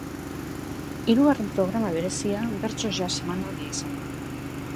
Hirugarren programa berezia bertso-jazz emanaldia izango da.